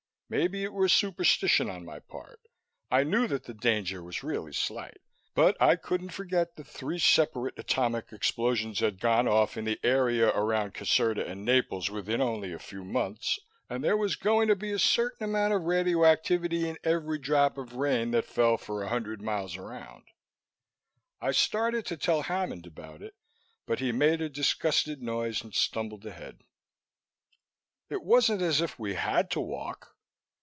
Maybe it was superstition on my part I knew that the danger was really slight but I couldn't forget that three separate atomic explosions had gone off in the area around Caserta and Naples within only a few months, and there was going to be a certain amount of radioactivity in every drop of rain that fell for a hundred miles around. I started to tell Hammond about it, but he made a disgusted noise and stumbled ahead. It wasn't as if we had to walk.